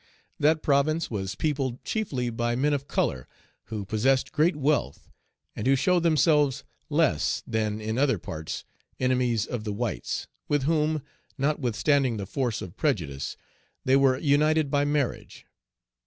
That province was peopled chiefly by men of color, who possessed great wealth, and who showed themselves less than in other parts enemies of the Page 268 whites, with whom, notwithstanding the force of prejudice, they were united by marriage.